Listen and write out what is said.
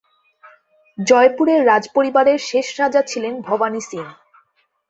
জয়পুরের রাজপরিবারের শেষ রাজা ছিলেন ভবানী সিং।